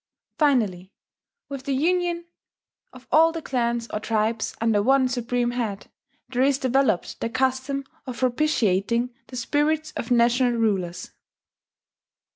Finally, with the union of all the clans or tribes under one supreme head, there is developed the custom of propitiating the spirits of national, rulers.